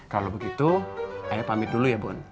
kalau begitu ayo pamit dulu ya bun